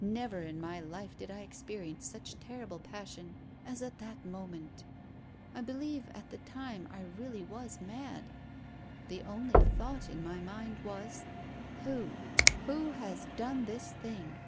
Never in my life did I experience such terrible passion as at that moment. I believe at the time I really was mad. The one thought in my mind was, 'Who who has done this thing?'